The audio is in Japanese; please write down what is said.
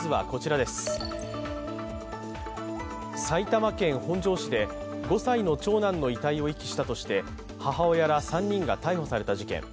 埼玉県本庄市で５歳の長男の遺体を遺棄したとして母親ら３人が逮捕された事件。